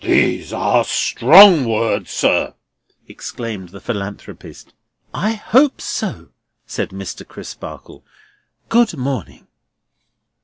"These are strong words, sir!" exclaimed the Philanthropist. "I hope so," said Mr. Crisparkle. "Good morning."